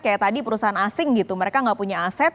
seperti tadi perusahaan asing mereka tidak punya aset